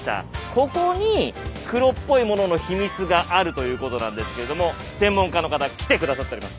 ここに黒っぽいものの秘密があるということなんですけれども専門家の方来て下さっております。